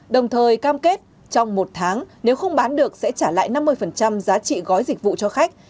đồng thời cam kết trong một tháng nếu không bán được sẽ trả lại năm mươi giá trị gói dịch vụ cho khách